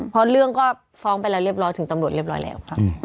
เพราะเรื่องก็ฟ้องไปแล้วเรียบร้อยถึงตำรวจเรียบร้อยแล้วค่ะ